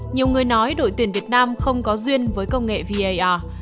nhiều người nói đội tuyển việt nam không có duyên với công nghệ var